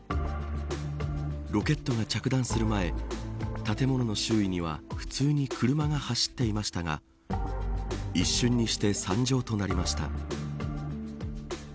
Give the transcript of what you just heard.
ロケットが着弾する前建物の周囲には普通に車が走っていましたが一瞬にして惨状となりました。